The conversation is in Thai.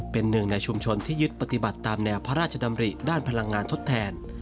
เป็นหนึ่งในชุมชนที่ยึดปฏิบัติตามแนวพระราชดำริด้านพลังงานทดแทน